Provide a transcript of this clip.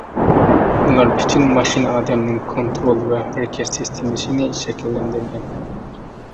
ئۇلار پۈتۈن ماشىنا ئادەمنىڭ كونترول ۋە ھەرىكەت سىستېمىسىنى شەكىللەندۈرگەن.